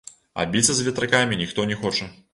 А біцца з ветракамі ніхто не хоча.